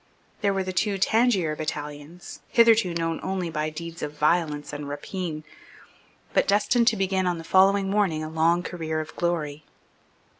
There were the two Tangier battalions, hitherto known only by deeds of violence and rapine, but destined to begin on the following morning a long career of glory.